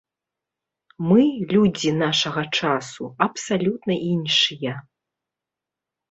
Мы, людзі нашага часу, абсалютна іншыя.